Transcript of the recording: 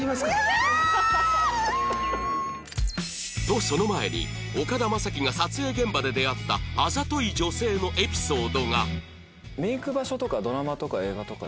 とその前に岡田将生が撮影現場で出会ったあざとい女性のエピソードが